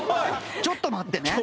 ちょっと待ってね。